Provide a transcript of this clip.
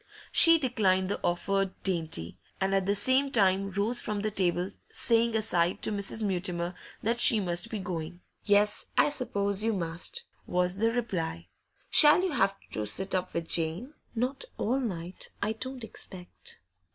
She declined the offered dainty, and at the same time rose from the table, saying aside to Mrs. Mutimer that she must be going. 'Yes, I suppose you must,' was the reply. 'Shall you have to sit up with Jane?' 'Not all night, I don't expect.